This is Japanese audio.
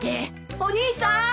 ・お兄さん！